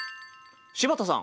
柴田さん